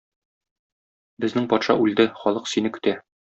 Безнең патша үлде, халык сине көтә.